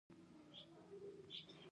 ښوونکې خبرې کوي.